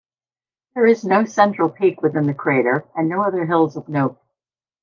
There is no central peak within the crater, and no other hills of note.